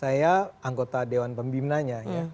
saya anggota dewan pembimnanya